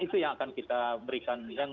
itu yang akan kita berikan yang